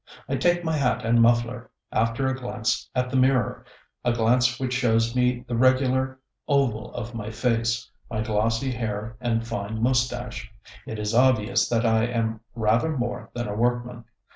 I take my hat and muffler, after a glance at the mirror a glance which shows me the regular oval of my face, my glossy hair and fine mustache. (It is obvious that I am rather more than a workman.)